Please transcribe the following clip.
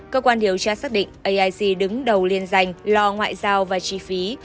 cơ quan điều tra xác định aic đứng đầu liên danh lo ngoại giao và chi phí